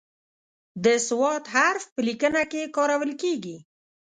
د "ص" حرف په لیکنه کې کارول کیږي.